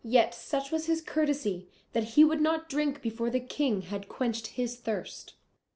Yet, such was his courtesy, that he would not drink before the King had quenched his thirst.